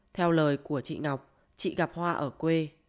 theo lời của chị ngọc chị gặp hoa ở quê